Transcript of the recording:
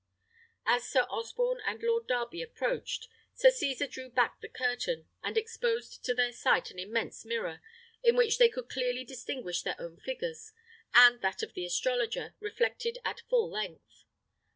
As Sir Osborne and Lord Darby approached, Sir Cesar drew back the curtain, and exposed to their sight an immense mirror, in which they could clearly distinguish their own figures, and that of the astrologer, reflected at full length.